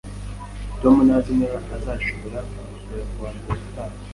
Tom ntazi niba azashobora kudusura kuwa mbere utaha